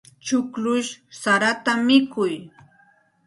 Chukllush sarata mikun.